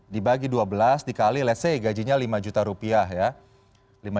dibagi dua belas dikali let's say gajinya lima juta rupiah ya